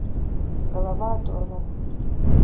Голова оторвана.